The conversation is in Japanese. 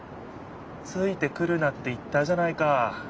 「ついてくるな」って言ったじゃないか。